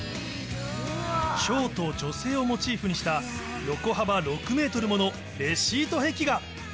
ちょうと女性をモチーフにした、横幅６メートルものレシート壁画。